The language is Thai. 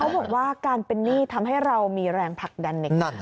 เขาบอกว่าการเป็นหนี้ทำให้เรามีแรงพักดันในความรู้สึก